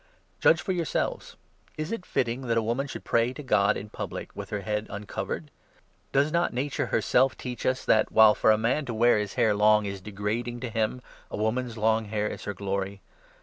Judge for yourselves. Is it fitting 13 that a woman should pray to God in public with her head uncovered ? Does not nature herself teach us that, while for 14 a man to wear his hair long is degrading to him, a woman's 15 long hair is her glory